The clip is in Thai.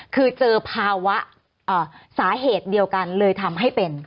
คือเจอภาวะสาเหตุเดียวกันเลยทำให้เป็น